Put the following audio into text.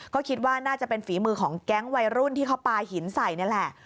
ก็คิดว่าน่าจะเป็นฝีมือของแก๊งวัยรุ่นที่เขาปลาหินใส่นี่แหละ